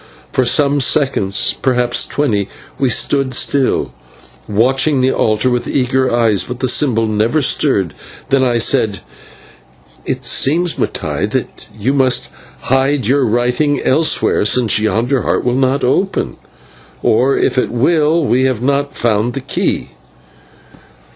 For some seconds, perhaps twenty, we stood still, watching the altar with eager eyes, but the symbol never stirred. Then I said: "It seems, Mattai, that you must hide your lying writing elsewhere, since yonder heart will not open, or, if it will, we have not found the key."